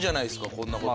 こんなこと。